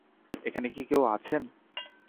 এখানে কি কেউ আছেন?